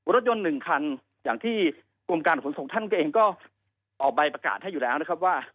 รถยนต์๑คันอย่างที่กรมการขนส่งท่านก็เองก็ออกใบประกาศให้อยู่แล้วนะครับว่า